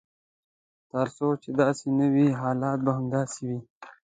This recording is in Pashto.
تر څو چې داسې نه وي حالات به همداسې وي.